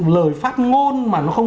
lời phát ngôn mà nó không